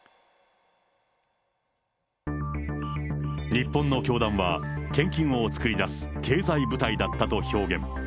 日本の教団は、献金を作り出す経済部隊だったと表現。